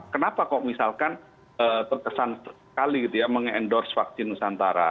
kenapa kok misalkan terkesan sekali meng endorse vaksin nusantara